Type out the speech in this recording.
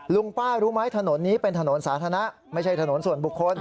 ลุงป้ารู้ไหมถนนนี้เป็นถนนสาธารณะไม่ใช่ถนนส่วนบุคคล